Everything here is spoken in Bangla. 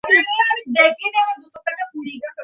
আমাদের সব ব্যাপার একই-ভাবে চলছে।